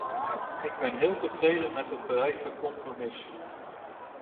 Ik ben heel tevreden met het bereikte compromis.